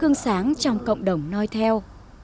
các tấm gương sáng trong cộng đồng nói theo